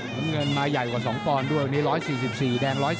น้ำเงินมาใหญ่กว่า๒ปอนด์ด้วยวันนี้๑๔๔แดง๑๔